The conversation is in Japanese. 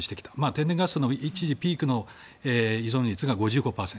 天然ガスのピークの依存率が５５％。